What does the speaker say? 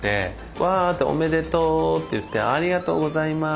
「わおめでとう！」と言って「ありがとうございます！」